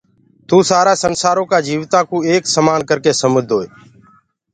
توُ سآرآ سنسآرو ڪآ جيوتآنٚ ڪو ايڪ سمآن ڪرڪي سمجدوئي